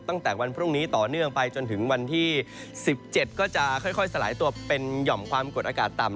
ตั้งแต่วันพรุ่งนี้ต่อเนื่องไปจนถึงวันที่๑๗ก็จะค่อยสลายตัวเป็นหย่อมความกดอากาศต่ำ